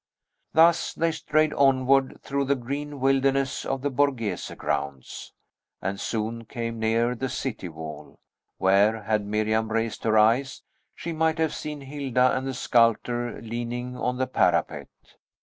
Thus they strayed onward through the green wilderness of the Borghese grounds, and soon came near the city wall, where, had Miriam raised her eyes, she might have seen Hilda and the sculptor leaning on the parapet.